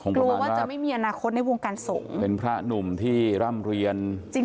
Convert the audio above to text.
ทองประมาณแบบเป็นพระหนุ่มที่ร่ำเรียนสูง